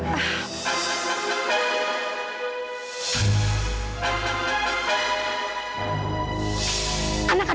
dia ini kan